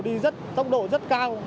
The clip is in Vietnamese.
đi tốc độ rất cao